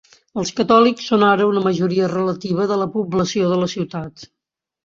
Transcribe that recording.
Els catòlics són ara una majoria relativa de la població de la ciutat.